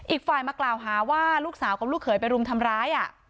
อีกฝ่ายมากล่าวหาว่าลูกสาวกับลูกเขยไปรุมทำร้าย